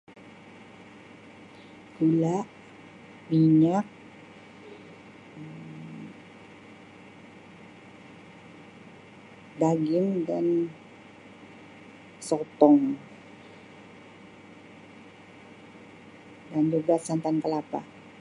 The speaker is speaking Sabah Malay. Gula, minyak Um daging dan sotong dan juga santan kelapa.